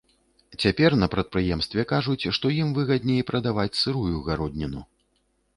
Цяпер на прадпрыемстве кажуць, што ім выгадней прадаваць сырую гародніну.